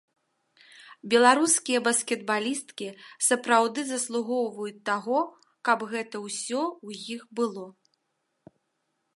Беларускія баскетбалісткі сапраўды заслугоўваюць таго, каб гэта ўсё ў іх было.